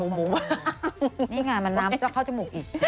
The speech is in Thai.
นี่ไงมันล้ำเข้าจมูกอีก